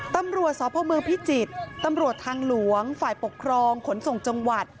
ตำรวจสพเมืองพิจิตรตำรวจทางหลวงฝ่ายปกครองขนส่งจังหวัด